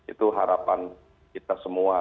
itu harapan kita semua